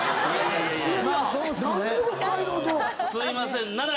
すいません。